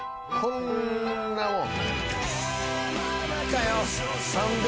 こんなもん。